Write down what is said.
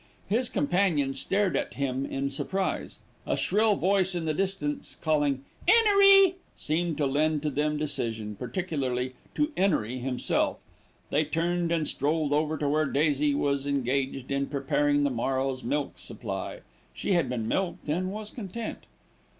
His companions stared at him in surprise. A shrill voice in the distance calling "'Enery" seemed to lend to them decision, particularly to 'Enery himself. They turned and strolled over to where Daisy was engaged in preparing the morrow's milk supply. She had been milked and was content.